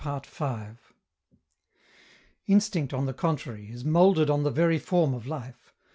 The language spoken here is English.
_Instinct, on the contrary, is molded on the very form of life.